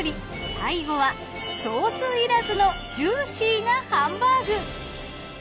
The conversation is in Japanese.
最後はソースいらずのジューシーなハンバーグ。